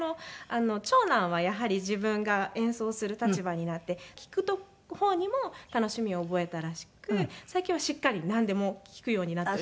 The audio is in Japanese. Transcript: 長男はやはり自分が演奏する立場になって聴く方にも楽しみを覚えたらしく最近はしっかりなんでも聴くようになっておりますね。